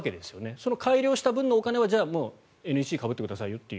その改良した分のお金をＮＥＣかぶってくださいよと。